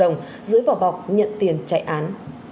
giữ vào bọc nhận tiền chạy án